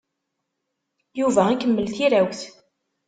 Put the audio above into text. Yuba ikemmel tirawt.